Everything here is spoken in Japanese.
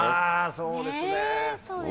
そうですね。